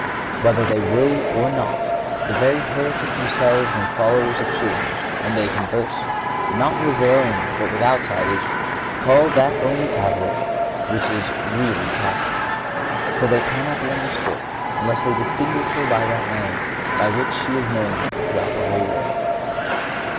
Whether they will it or not the very heretics themselves and followers of schism, when they converse, not with their own but with outsiders, call that only Catholic which is really Catholic. For they cannot be understood unless they distinguish her by that name, by which she is known throughout the whole earth."